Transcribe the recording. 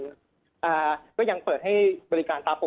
ตอนนี้ยังไม่ได้นะครับ